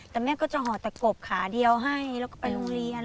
แต่แม่ก็จะห่อตะกบขาเดียวให้แล้วก็ไปโรงเรียน